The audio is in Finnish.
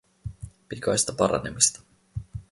Pikaista paranemista!